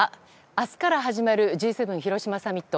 明日から始まるＧ７広島サミット。